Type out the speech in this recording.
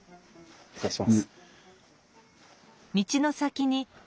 失礼します。